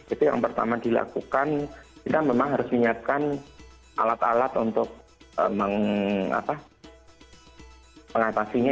itu yang pertama dilakukan kita memang harus menyiapkan alat alat untuk mengatasinya